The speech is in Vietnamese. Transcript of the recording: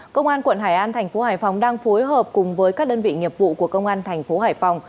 công an quận hải an thành phố hải phòng đang phối hợp cùng với các đơn vị nghiệp vụ của công an thành phố hải phòng